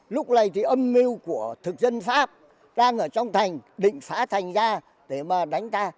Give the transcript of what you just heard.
lúc này thì âm mưu của thực dân pháp đang ở trong thành định phá thành ra để mà đánh ta